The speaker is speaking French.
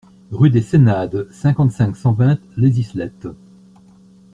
Rue des Senades, cinquante-cinq, cent vingt Les Islettes